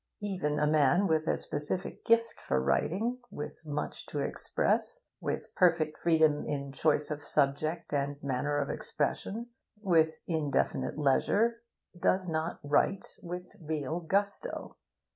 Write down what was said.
Even a man with a specific gift for writing, with much to express, with perfect freedom in choice of subject and manner of expression, with indefinite leisure, does not write with real gusto.